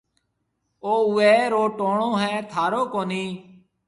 او اوَي رو ٽوڻو هيَ ٿارو ڪونَي